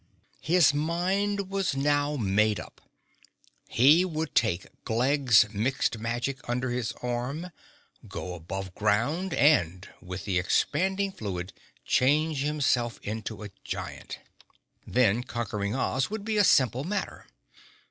His mind was now made up. He would take Glegg's Mixed Magic under his arm, go above ground and with the Expanding Fluid change himself into a giant. Then conquering Oz would be a simple matter.